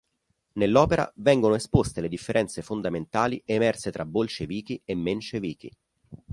Nell'opera vengono esposte le differenze fondamentali emerse tra bolscevichi e menscevichi.